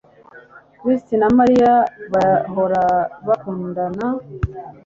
Chris na Mariya bahora bakundana